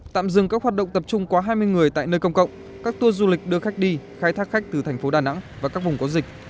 tạm dừng các hoạt động tập trung quá hai mươi người tại nơi công cộng các tour du lịch đưa khách đi khai thác khách từ thành phố đà nẵng và các vùng có dịch